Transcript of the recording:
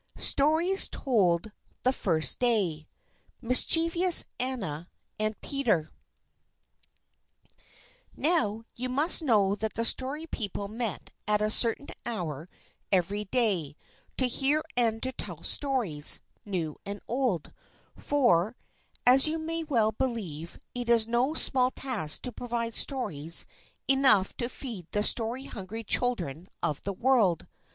STORIES TOLD THE FIRST DAY XI MISCHIEVOUS ANNA AND PETER NOW, you must know that the Story People met at a certain hour every day to hear and to tell stories, new and old; for, as you may well believe, it is no small task to provide stories enough to feed the story hungry children of the world.